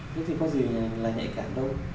thế thì có gì là nhạy càng đâu